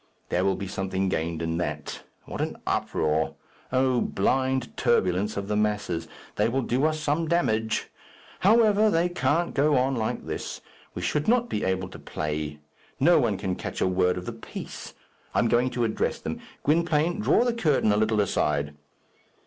There will be something gained in that. What an uproar! O blind turbulence of the masses. They will do us some damage. However, they can't go on like this. We should not be able to play. No one can catch a word of the piece. I am going to address them. Gwynplaine, draw the curtain a little aside.